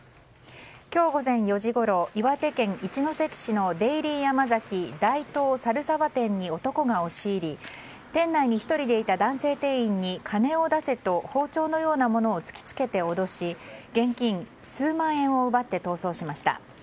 今日午前４時ごろ岩手県一関市のデイリーヤマザキ大東猿沢店に男が押し入り店内に１人でいた男性店員に金を出せと包丁のようなものを突き付けて脅し現金数万円を奪って逃走しました。